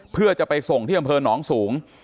เพื่อจะไปส่งไปส่งเฉพาะเห์นองสูง